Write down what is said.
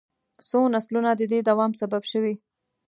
څو نسلونه د دې دوام سبب شوي.